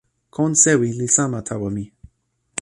kon sewi li sama tawa mi.